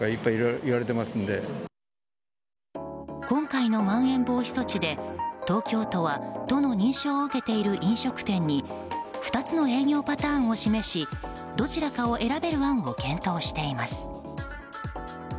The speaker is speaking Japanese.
今回のまん延防止措置で東京都は、都の認証を受けている飲食店に２つの営業パターンを示しどちらかを選べる案を検討しています。